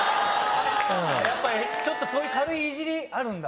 やっぱりちょっとそういう軽いイジりあるんだ？